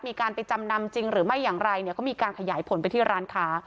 มีการไปจำนำจริงหรือไม่อย่างไรเนี่ยก็มีการขยายผลไปที่ร้านค้า